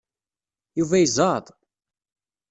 Yuba yezɛeḍ.